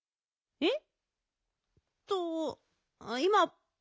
えっ？